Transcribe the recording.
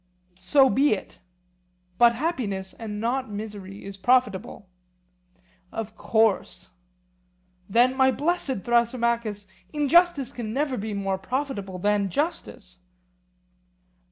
So be it. But happiness and not misery is profitable. Of course. Then, my blessed Thrasymachus, injustice can never be more profitable than justice.